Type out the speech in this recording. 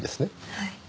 はい。